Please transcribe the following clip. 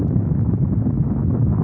masuk kantink nomei